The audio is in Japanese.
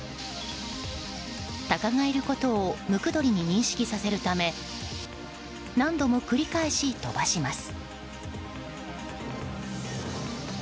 鷹がいることをムクドリに認識させるため何度も繰り返し飛ばします。